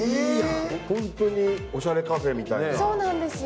本当におしゃれカフェみたいな。